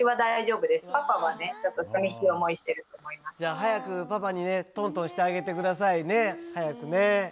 早くパパにねトントンしてあげて下さいね早くね。